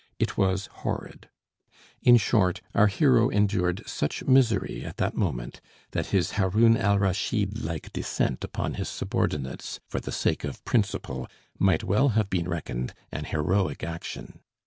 It was horrid; in short, our hero endured such misery at that moment that his Haroun al Raschid like descent upon his subordinates for the sake of principle might well have been reckoned an heroic action.